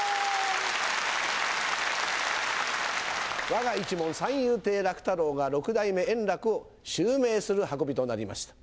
わが一門、三遊亭楽太郎が、六代目円楽を襲名する運びとなりました。